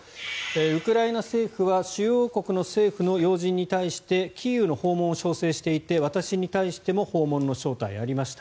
ウクライナ政府は主要国の政府の要人に対してキーウ訪問を招請していて私に対しても訪問の招待がありました。